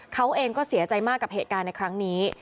เขาเองก็เสียใจมากกับเหตุการณ์ในครั้งนี้